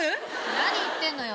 何言ってんのよ！